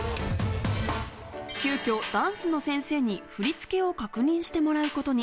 急きょダンスの先生に振り付けを確認してもらうことに。